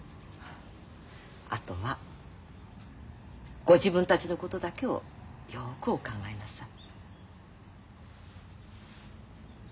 あとはご自分たちのことだけをよくお考えなさい。